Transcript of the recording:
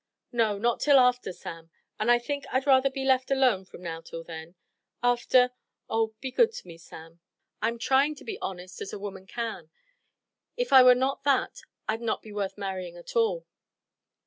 "No, not till after, Sam; and I think I'd rather be left alone from now till then. After Oh, be good to me, Sam! I'm trying to be honest as a woman can. If I were not that I'd not be worth marrying at all."